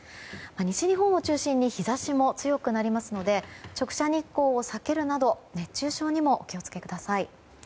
西日本を中心に日差しも強くなりますので直射日光を避けるなど熱中症にもお気を付けください。